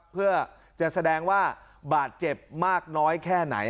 เพื่อจะแสดงว่าบาดเจ็บมากน้อยแค่ไหน